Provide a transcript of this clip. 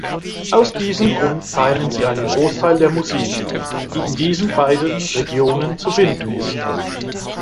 Aus diesem Grund teilen sie einen Großteil der Musik, die in diesen beiden Regionen zu finden ist.